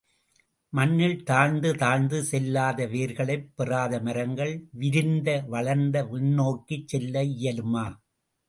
மண்ணில் தாழ்ந்து தாழ்ந்து செல்லாத வேர்களைப் பெறாத மரங்கள் விரிந்து வளர்ந்து விண்ணோக்கிச் செல்ல இயலுமா?